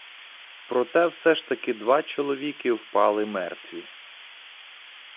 Проте все ж таки два чоловіки впали мертві.